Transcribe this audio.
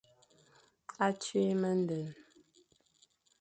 A tui mendene.